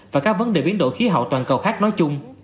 và các vấn đề biến đổi khí hậu toàn cầu khác nói chung